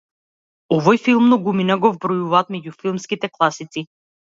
Овој филм многумина го вбројуваат меѓу филмските класици.